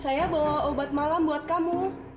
saya bawa obat malam buat kamu